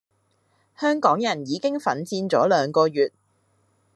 香港人已經奮戰咗兩個月